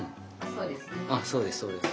そうですそうです。